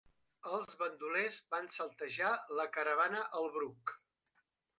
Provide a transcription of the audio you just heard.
Els bandolers van saltejar la caravana al Bruc.